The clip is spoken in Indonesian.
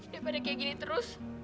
daripada kayak gini terus